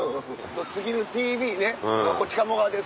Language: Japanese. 『過ぎるＴＶ』ねこっち鴨川です